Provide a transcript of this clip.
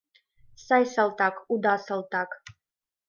Сай салтак, уда салтак...